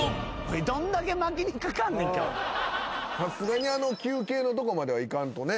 さすがにあの休憩のとこまではいかんとね。